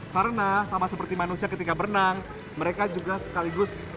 karena sama seperti manusia ketika berenang mereka juga sekaligus berlatih